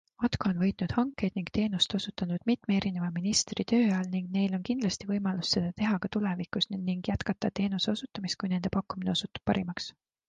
Atko on võitnud hankeid ning teenust osutanud mitme erineva ministri tööajal ning neil on kindlasti võimalus seda teha ka tulevikus ning jätkata teenuse osutamist, kui nende pakkumine osutub parimaks.